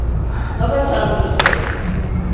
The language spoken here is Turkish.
Hava saldırısı!